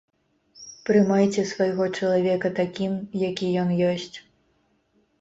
Прымайце свайго чалавека такім, які ён ёсць.